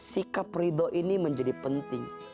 sikap ridho ini menjadi penting